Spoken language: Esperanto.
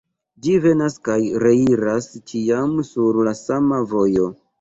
Ĝi venas kaj reiras ĉiam sur la sama vojo.